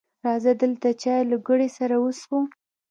راځه دلته چای له ګوړې سره وڅښو